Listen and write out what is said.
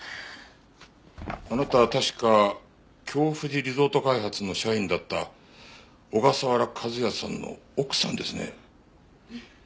あなたは確か京藤リゾート開発の社員だった小笠原和哉さんの奥さんですね？